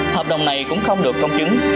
hợp đồng này cũng không được công chứng